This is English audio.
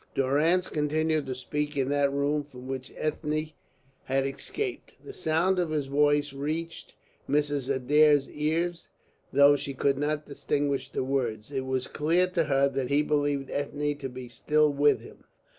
Durrance continued to speak in that room from which Ethne had escaped. The sound of his voice reached Mrs. Adair's ears, though she could not distinguish the words. It was clear to her that he believed Ethne to be still with him.